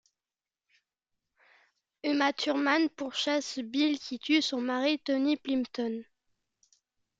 Uma Thurman pourchasse Bill qui tue son mari Tommy Plympton.